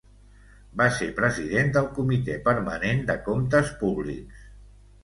Va ser president del comitè permanent de comptes públics.